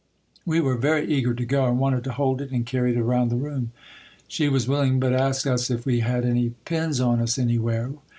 We were very eager to go and wanted to hold it and carry it around the room. She was willing but asked us if we had any pins on us anywhere.